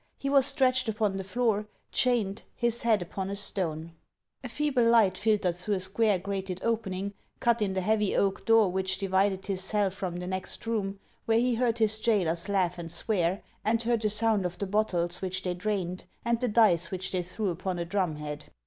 He was stretched upon the floor, chained, his head upon a stone ; a feeble 500 HANS OF ICELAND. light filtered through a square grated opening, cut in the heavy oak door which divided his cell from the next room, where he heard his jailers laugh and swear, and heard the sound of the bottles which they drained, and the dice which they threw upon a drumhead.